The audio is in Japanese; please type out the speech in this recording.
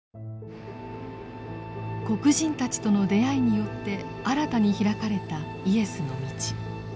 黒人たちとの出会いによって新たに開かれたイエスの道。